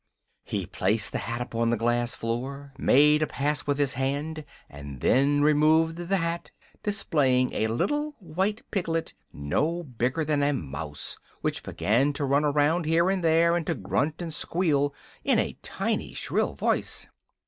He placed the hat upon the glass floor, made a pass with his hand, and then removed the hat, displaying a little white piglet no bigger than a mouse, which began to run around here and there and to grunt and squeal in a tiny, shrill voice.